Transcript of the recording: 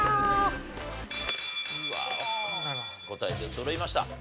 答え出そろいました。